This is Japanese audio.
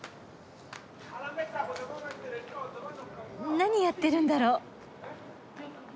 何やってるんだろう？